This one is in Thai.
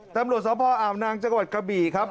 ตำรวจสพออาวนางจังหวัดกระบี่ครับ